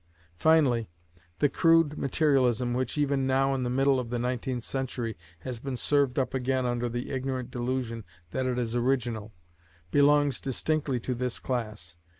Finally, the crude materialism which even now in the middle of the nineteenth century has been served up again under the ignorant delusion that it is original, belongs distinctly to this class.